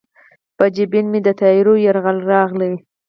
په جبین مې د تیارو یرغل راغلی